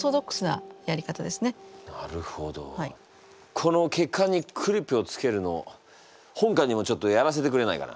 この血管にクリップをつけるの本官にもちょっとやらせてくれないかな？